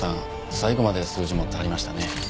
最期まで数字持ってはりましたね。